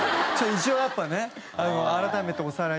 一応やっぱね改めておさらいという事で。